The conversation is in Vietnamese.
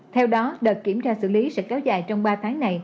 theo đó đợt kiểm tra xử lý sẽ kéo dài trong ba tháng này